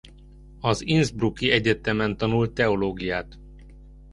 Az Innsbruck-i Egyetemen tanult teológiát.